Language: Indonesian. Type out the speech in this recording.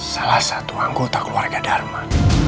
salah satu anggota keluarga dharma